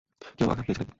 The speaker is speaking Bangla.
কেউ আঘাত পেয়েছ নাকি?